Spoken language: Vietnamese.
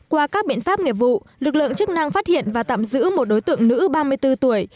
qua các biện pháp nghiệp vụ lực lượng chức năng phát hiện và tạm giữ một đối tượng nữ ba mươi bốn tuổi